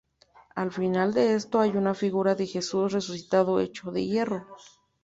Al final de esto hay una figura de Jesús resucitado hecho de hierro.